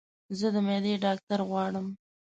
زه د معدي ډاکټر غواړم